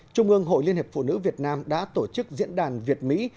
trung ương hội liên hiệp phụ nữ việt nam đã tổ chức diễn đàn việt mỹ